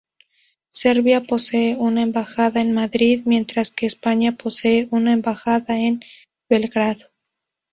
Serbia posee una embajada en Madrid, mientras que España posee una embajada en Belgrado.